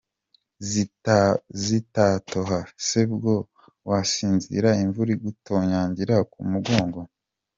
Zitatoha se bwo wasinzira imvura igutonyangira ku mugongo ?”.